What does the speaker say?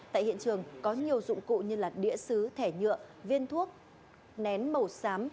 tại hiện trường có nhiều dụng cụ như đĩa xứ thẻ nhựa viên thuốc nén màu xám